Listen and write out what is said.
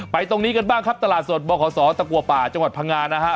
ตรงนี้กันบ้างครับตลาดสดบขศตะกัวป่าจังหวัดพังงานะฮะ